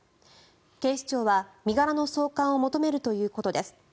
警視庁は身柄の送還を求めるということです。